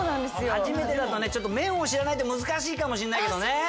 初めてだと面を知らないと難しいかもしれないけどね。